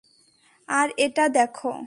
আর এটা দেখ!